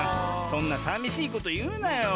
そんなさみしいこというなよ。